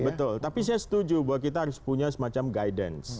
betul tapi saya setuju bahwa kita harus punya semacam guidance